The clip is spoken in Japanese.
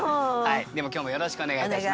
でも今日もよろしくお願いいたします。